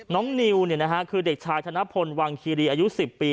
น้องนิ้วเนี้ยนะฮะคือเด็กชายชนพลวังคีรีอายุสิบปี